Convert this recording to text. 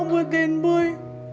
buat den boy